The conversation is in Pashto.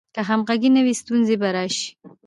که همغږي نه وي، ستونزې به راشي.